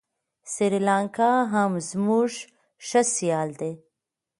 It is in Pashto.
سریلانکا هم زموږ ښه سیال دی.